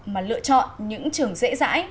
mà lựa chọn những trường dễ dãi